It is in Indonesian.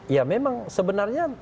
ya memang sebenarnya